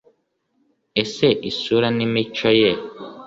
ese isura nimico ye